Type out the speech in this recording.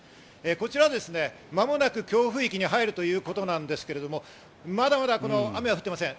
こちらは間もなく強風域に入るということなんですけど、まだまだ雨は降っていません。